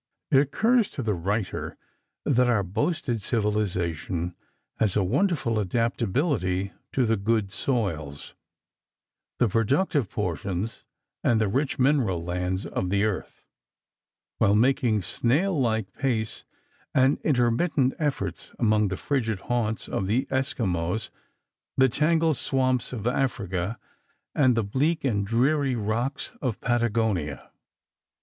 It occurs to the writer that our boasted civilization has a wonderful adaptability to the good soils, the productive portions, and the rich mineral lands of the earth, while making snail like pace and intermittent efforts among the frigid haunts of the Esquimaux, the tangled swamps of Africa, and the bleak and dreary rocks of Patagonia.